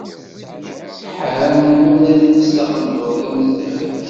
Tḥar melmi ara tels taqendurt tamellalt.